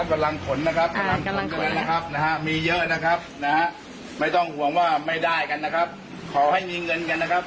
เอาส่วนดีนะครับส่วนดีนะครับขอให้มีเงินนะครับ